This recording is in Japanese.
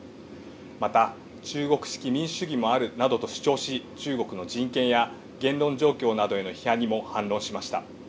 また、中国式民主主義もあるなどと主張し、中国の人権や言論状況などへの批判にも反論しました。